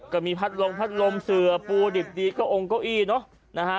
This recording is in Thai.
ก็มีพัดลมพัดลมเสือปูดิบดีก็องค์เก้าอี้เนอะนะฮะ